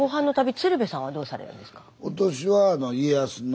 鶴瓶さんはどうされるんですか？